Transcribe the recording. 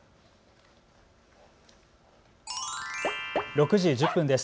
６時１０分です。